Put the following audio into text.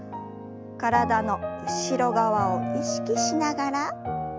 体の後ろ側を意識しながら戻して。